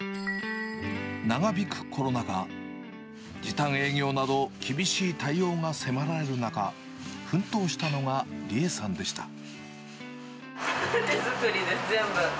長引くコロナ禍、時短営業など厳しい対応が迫られる中、奮闘したのが理恵さんでし手作りです、全部。